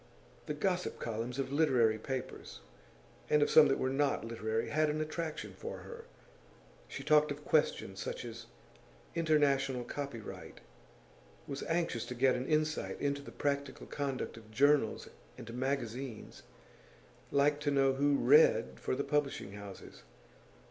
The gossip columns of literary papers and of some that were not literary had an attraction for her. She talked of questions such as international copyright, was anxious to get an insight into the practical conduct of journals and magazines, liked to know who 'read' for the publishing houses.